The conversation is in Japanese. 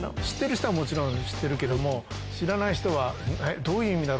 知ってる人はもちろん知ってるけども知らない人は。